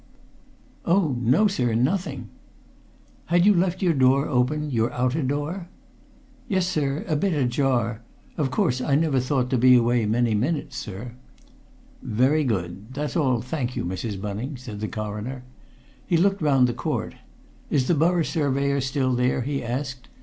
"Oh, no, sir, nothing!" "Had you left your door open your outer door?" "Yes, sir a bit ajar. Of course I never thought to be away many minutes, sir." "Very good. That's all, thank you, Mrs. Bunning," said the Coroner. He looked round the court. "Is the Borough Surveyor still there?" he asked.